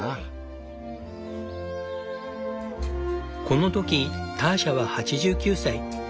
この時ターシャは８９歳。